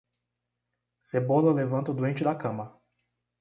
Cebola levanta o doente da cama.